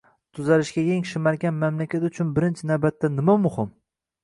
tuzalishga yeng shimargan mamlakat uchun birinchi navbatda nima muhim?